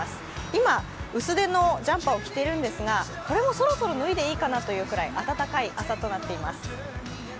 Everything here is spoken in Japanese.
今、薄手のジャンパーを着ているんですが、これもそろそろ脱いでもいいかなというぐらいあたたかい朝となっています。